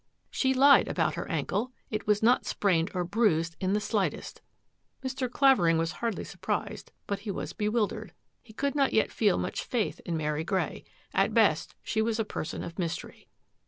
She lied about her ankle. It was not sprained or bruised in the slightest." Mr. Clavering was hardly surprised, but he was bewildered. He could not yet feel much faith in Mary Grey. At best, she was a person of mys tery.